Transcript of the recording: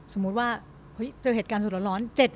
สมมุติว่าเจอเหตุการณ์สุดร้อน